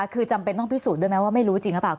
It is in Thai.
คือจำเป็นต้องพิสูจน์ด้วยไหมว่าไม่รู้จริงหรือเปล่า